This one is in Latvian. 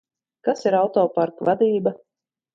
Kas ir autoparka vadība?